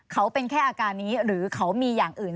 เขาเป็นแค่อาการนี้หรือเขามีอย่างอื่น